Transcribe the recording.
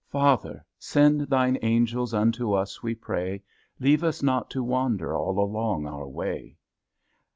Father, send Thine Angels Unto us, we pray; Leave us not to wander All along our way.